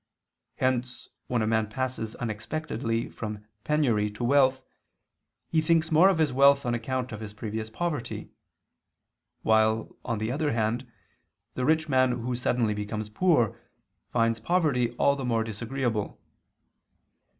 Hence, when a man passes unexpectedly from penury to wealth, he thinks more of his wealth on account of his previous poverty: while, on the other hand, the rich man who suddenly becomes poor, finds poverty all the more disagreeable.